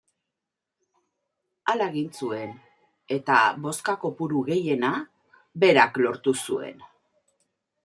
Hala egin zuen, eta bozka kopuru gehiena berak lortu zuen.